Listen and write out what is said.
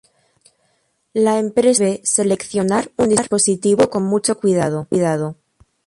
La empresa debe seleccionar un dispositivo con mucho cuidado.